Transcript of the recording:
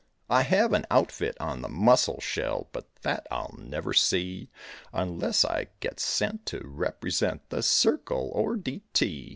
I have an outfit on the Mussel Shell, But that I'll never see, Unless I get sent to represent The Circle or D.T.